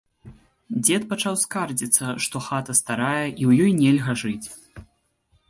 Дзед пачаў скардзіцца, што хата старая і ў ёй нельга жыць.